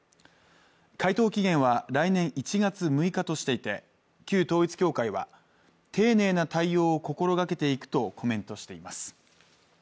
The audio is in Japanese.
回答期限は来年１月６日としていて旧統一教会は丁寧な対応を心がけていくとコメントしています